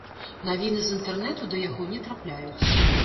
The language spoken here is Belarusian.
Навіны з інтэрнэту да яго не трапляюць.